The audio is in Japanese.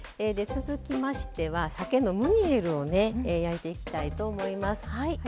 続きましては、さけのムニエルを焼いていきたいと思います。